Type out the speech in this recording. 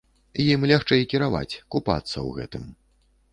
Ім лягчэй кіраваць, купацца ў гэтым.